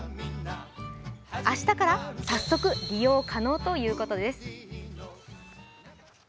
明日から早速利用可能と言うことです。